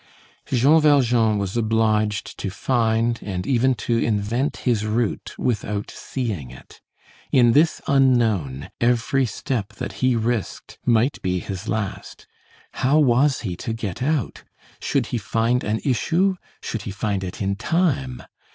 Jean Valjean was obliged to find and even to invent his route without seeing it. In this unknown, every step that he risked might be his last. How was he to get out? should he find an issue? should he find it in time?